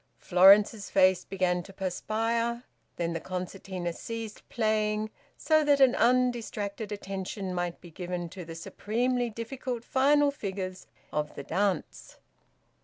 Florence's face began to perspire. Then the concertina ceased playing, so that an undistracted attention might be given to the supremely difficult final figures of the dance.